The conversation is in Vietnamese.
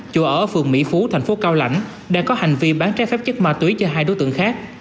chủ ở phường mỹ phú thành phố cao lãnh đang có hành vi bán trái phép chất ma túy cho hai đối tượng khác